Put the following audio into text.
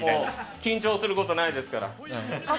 緊張することないですから。